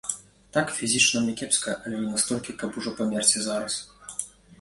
Так, фізічна мне кепска, але не настолькі, каб ужо памерці зараз.